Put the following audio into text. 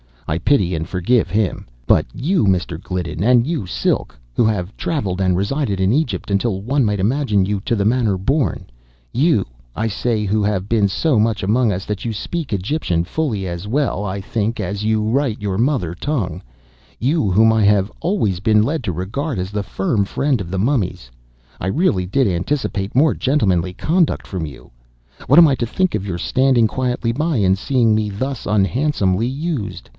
I pity and forgive him. But you, Mr. Gliddon—and you, Silk—who have travelled and resided in Egypt until one might imagine you to the manor born—you, I say who have been so much among us that you speak Egyptian fully as well, I think, as you write your mother tongue—you, whom I have always been led to regard as the firm friend of the mummies—I really did anticipate more gentlemanly conduct from you. What am I to think of your standing quietly by and seeing me thus unhandsomely used?